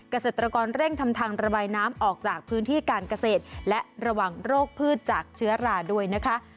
เกษตรกรเร่งทำทางระบายน้ำออกจากพื้นที่การเกษตรและระวังโรคพืชจากเชื้อราด้วยนะคะ